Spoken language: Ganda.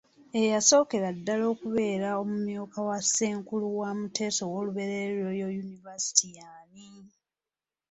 Eyasookera ddala okubeera omumyuka wa ssenkulu wa Muteesa I Royal University y’ani?